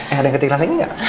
eh ada yang ketik lalang ini gak